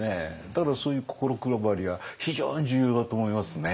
だからそういう心配りは非常に重要だと思いますね。